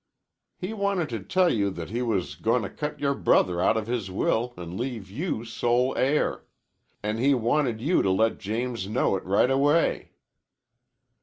"He wanted to tell you that he was goin' to cut your brother out of his will an' leave you sole heir. An' he wanted you to let James know it right away."